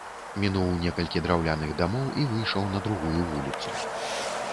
Мінуў некалькі драўляных дамоў і выйшаў на другую вуліцу.